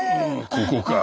ここか。